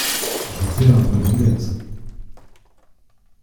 Je fais un peu l’omelette…